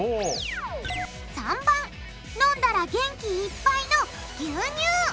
３番飲んだら元気いっぱいの牛乳。